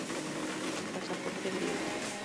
Pasaporte griego